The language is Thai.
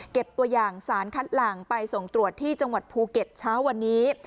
ตัวอย่างสารคัดหลังไปส่งตรวจที่จังหวัดภูเก็ตเช้าวันนี้